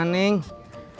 makasih ya kang tisna